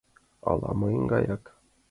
Ала мыйын гаяк?